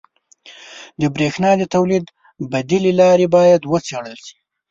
• د برېښنا د تولید بدیلې لارې باید وڅېړل شي.